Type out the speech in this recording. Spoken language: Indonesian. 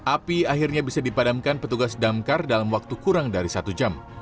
api akhirnya bisa dipadamkan petugas damkar dalam waktu kurang dari satu jam